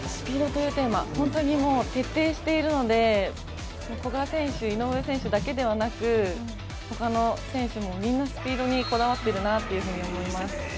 本当に徹底しているので、古賀選手、井上選手だけではなく、他の選手もみんなスピードにこだわっているなと思います。